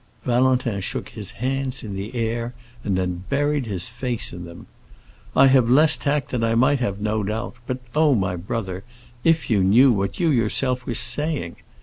Valentin shook his hands in the air and then buried his face in them. "I have less tact than I might have, no doubt; but oh, my brother, if you knew what you yourself were saying!"